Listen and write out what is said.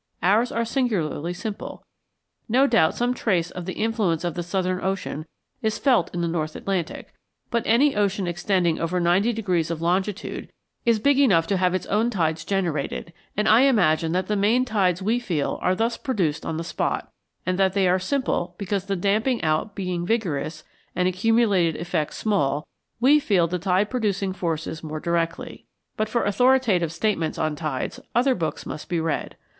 Ours are singularly simple. No doubt some trace of the influence of the Southern Ocean is felt in the North Atlantic, but any ocean extending over 90° of longitude is big enough to have its own tides generated; and I imagine that the main tides we feel are thus produced on the spot, and that they are simple because the damping out being vigorous, and accumulated effects small, we feel the tide producing forces more directly. But for authoritative statements on tides, other books must be read.